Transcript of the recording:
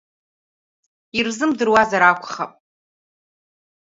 Ирзымдыруазар акәхап.